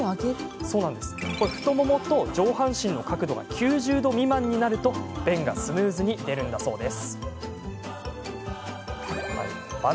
太ももと上半身の角度が９０度未満になると便がスムーズに出るんだそうです。